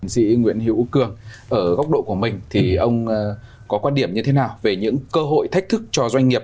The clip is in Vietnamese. sĩ nguyễn hiễu cường ở góc độ của mình thì ông có quan điểm như thế nào về những cơ hội thách thức cho doanh nghiệp